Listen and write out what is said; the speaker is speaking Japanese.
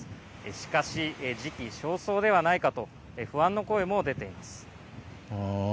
しかし、時期尚早ではないかと不安の声も出ています。